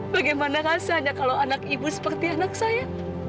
bagaimana rasanya kalau anak ibu seperti anak saya